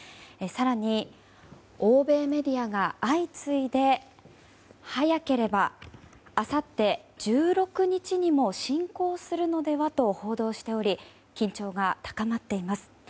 更に、欧米メディアが相次いで早ければ、あさって１６日にも侵攻するのではと報道しており緊張が高まっています。